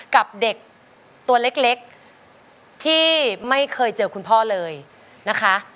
กับเด็กตัวเล็กที่ไม่เคยเจอคุณพ่อเลยนะคะ